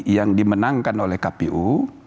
yang dimenangkan oleh kpu